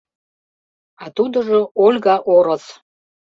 А Тудыжо — Ольга Орос.